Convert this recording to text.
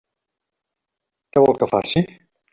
Què vol que faci?